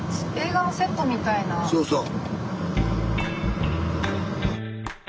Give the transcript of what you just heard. そうそう。